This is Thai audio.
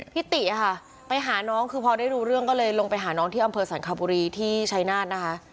ติค่ะไปหาน้องคือพอได้รู้เรื่องก็เลยลงไปหาน้องที่อำเภอสรรคบุรีที่ชัยนาธนะคะ